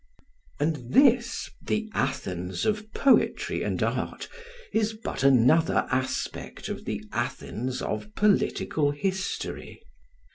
] And this, the Athens of poetry and art, is but another aspect of the Athens of political history.